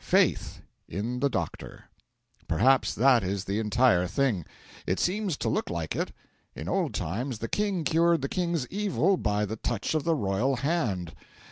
Faith in the doctor. Perhaps that is the entire thing. It seems to look like it. In old times the King cured the king's evil by the touch of the royal hand.